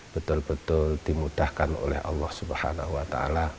betul betul dimudahkan oleh allah swt